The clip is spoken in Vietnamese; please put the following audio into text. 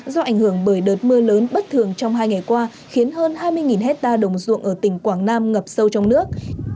do ảnh hưởng bởi đợt mưa lớn bất thường trong hai ngày qua khiến hơn hai mươi hectare đồng ruộng ở tỉnh quảng nam ngập sâu trong nước